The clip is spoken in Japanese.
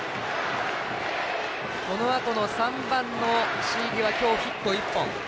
このあとの３番の椎木は今日ヒット１本。